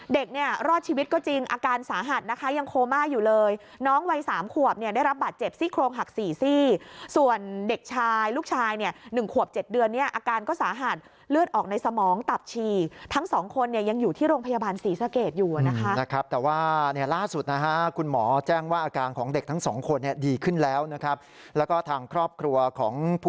เด็กเนี่ยรอดชีวิตก็จริงอาการสาหัสนะคะยังโคม่าอยู่เลยน้องวัย๓ขวบเนี่ยได้รับบาดเจ็บซี่โครงหัก๔ซี่ส่วนเด็กชายลูกชายเนี่ย๑ขวบ๗เดือนเนี่ยอาการก็สาหัสเลือดออกในสมองตับชีทั้ง๒คนเนี่ยยังอยู่ที่โรงพยาบาลศรีสะเกดอยู่นะครับแต่ว่าเนี่ยล่าสุดนะฮะคุณหมอแจ้งว่าอาการของเด็กทั้ง